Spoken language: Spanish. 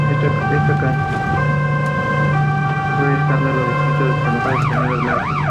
Fue escalando los distintos escalafones de la cantera blanca.